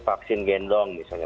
vaksin gendong misalnya